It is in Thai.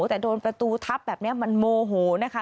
แต่โดนประตูทับแบบนี้มันโมโหนะคะ